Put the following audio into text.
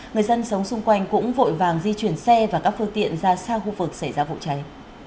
người dân sống xung quanh cũng vội vàng di chuyển xe và các phương tiện ra xa khu vực xảy ra vụ cháy